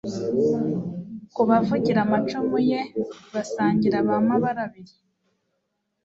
kubavugira amacumu Ye Basangira ba Mabarabiri